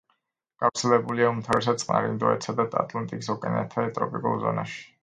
გავრცელებულია უმთავრესად წყნარ, ინდოეთისა და ატლანტის ოკეანეთა ტროპიკულ ზონაში.